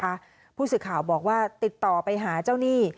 ผู้สื่อข่าวบอกว่าติดต่อไปหาเจ้าหนี้